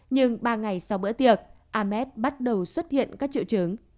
nhưng ba ngày sau bữa tiệc ams bắt đầu xuất hiện các triệu chứng